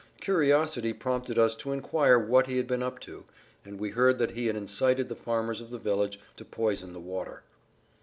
Curiosity prompted us to enquire what he had been up to, and we heard that he had incited the farmers of the village to poison the water.